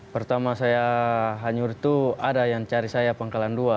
pertama saya hanyur itu ada yang cari saya pangkalan dua